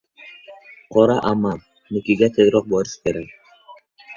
Qora ammam»nikiga tezroq borish kerak.